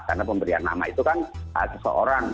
karena pemberian nama itu kan ada seorang